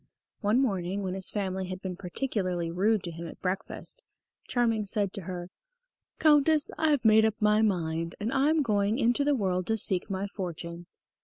One morning, when his family had been particularly rude to him at breakfast, Charming said to her: "Countess, I have made up my mind, and I am going into the world to seek my fortune."